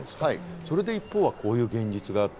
それで一方では、こういう現実がある。